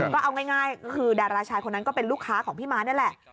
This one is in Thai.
ก็เอาง่ายคือดาราชายคนนั้นก็เป็นลูกค้าของพี่ม้านี่แหละ